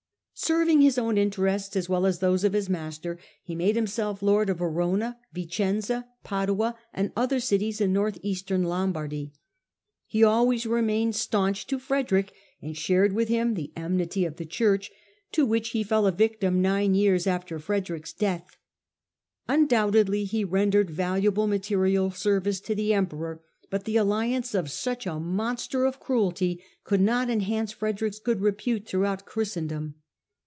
Serving his own interests as well as those of his master, he made himself Lord of Verona, Vicenza, Padua and other cities in North eastern Lombardy. He always remained staunch to Frederick and shared with him the enmity of the Church, to which he fell a victim nine years after Frederick's death. Undoubtedly he rendered valuable material service to the Emperor, but the alliance of such a monster of cruelty could not enhance Frederick's good repute throughout Christendom.